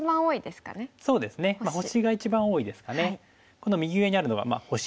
この右上にあるのが「星」。